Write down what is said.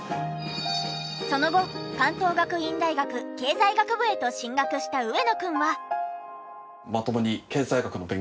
その後関東学院大学経済学部へと進学した上野くんは。